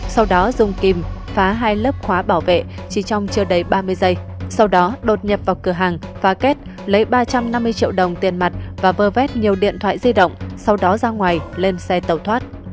sau đó dùng kìm phá hai lớp khóa bảo vệ chỉ trong chưa đầy ba mươi giây sau đó đột nhập vào cửa hàng pha kết lấy ba trăm năm mươi triệu đồng tiền mặt và vơ vét nhiều điện thoại di động sau đó ra ngoài lên xe tàu thoát